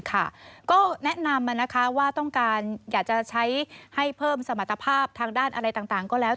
ก็แนะนำว่าต้องการอยากจะใช้ให้เพิ่มสมรรถภาพทางด้านอะไรต่างก็แล้ว